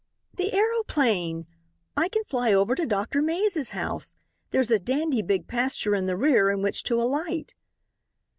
"The aeroplane! I can fly over to Doctor Mays' house. There's a dandy big pasture in the rear in which to alight."